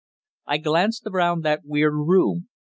I glanced around that weird room.